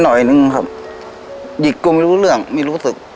หน่อยนึงครับหยิกกงไม่รู้เรื่องไม่รู้สึก